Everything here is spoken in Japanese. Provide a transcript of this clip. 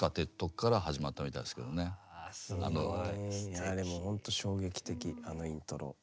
いやでもほんと衝撃的あのイントロ。